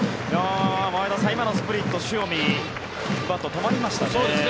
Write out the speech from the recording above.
前田さん、今のスプリット塩見バットが止まりましたね。